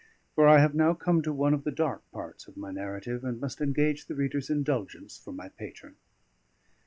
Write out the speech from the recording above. For I have now come to one of the dark parts of my narrative, and must engage the reader's indulgence for my patron.